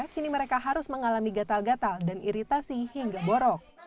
kini mereka harus mengalami gatal gatal dan iritasi hingga borok